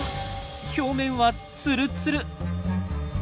表面はツルツル。